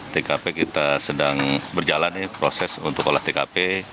tkp kita sedang berjalan proses untuk olah tkp